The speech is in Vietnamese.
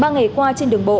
ba ngày qua trên đường bộ